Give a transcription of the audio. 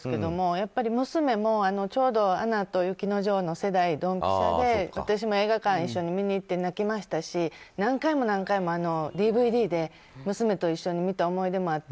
やっぱり娘もちょうど「アナと雪の女王」の世代ドンぴしゃで私も映画館に行って泣きましたし何回もＤＶＤで娘と一緒に見た思い出もあって。